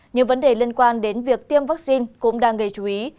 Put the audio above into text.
những vấn đề liên quan đến việc tiêm vaccine cũng đang gây chú ý